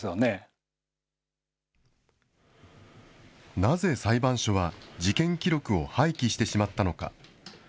なぜ裁判所は事件記録を廃棄してしまったのか。